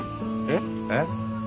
えっ？えっ？